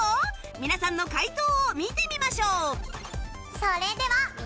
皆さんの解答を見てみましょう